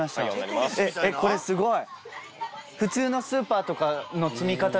これすごい！